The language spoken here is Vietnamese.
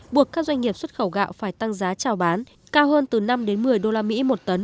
buộc các doanh nghiệp xuất khẩu gạo phải tăng giá trào bán cao hơn từ năm một mươi usd một tấn